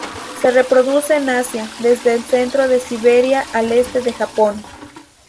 Se reproduce en Asia, desde el centro de Siberia al este de Japón.